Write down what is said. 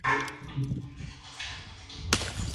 Bedingfield cree que la canción es "cursi".